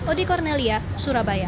odi kornelia surabaya